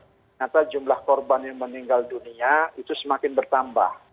ternyata jumlah korban yang meninggal dunia itu semakin bertambah